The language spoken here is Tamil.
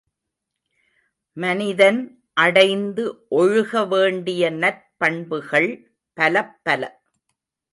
மனிதன் அடைந்து ஒழுக வேண்டிய நற்பண்புகள் பலப்பல.